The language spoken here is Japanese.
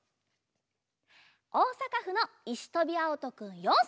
おおさかふのいしとびあおとくん４さいから。